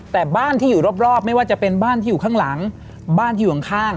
แต่บ้านที่อยู่รอบไม่ว่าจะเป็นบ้านที่อยู่ข้างหลังบ้านที่อยู่ข้าง